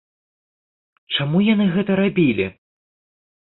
Чаму яны гэта рабілі?